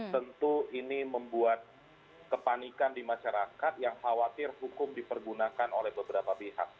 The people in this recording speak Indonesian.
tentu ini membuat kepanikan di masyarakat yang khawatir hukum dipergunakan oleh beberapa pihak